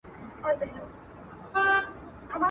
مُلا به وي منبر به وي ږغ د آذان به نه وي.